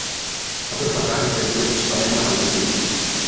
Natož pak bránil zemi proti případnému napadení zvenčí.